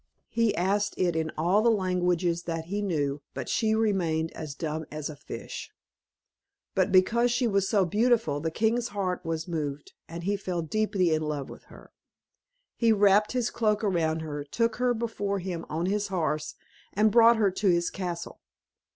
He asked it in all the languages that he knew, but she remained as dumb as a fish. But, because she was so beautiful, the king's heart was moved, and he fell deeply in love with her. He wrapped his cloak round her, took her before him on his horse, and brought her to his castle.